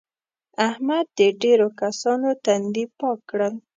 احمد د ډېرو کسانو تندي پاک کړل.